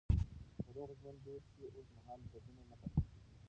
که روغ ژوند دود شي، اوږدمهاله دردونه نه پاتې کېږي.